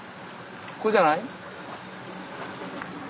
ここじゃない？